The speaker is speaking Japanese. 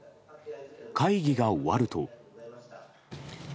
会議が終わると。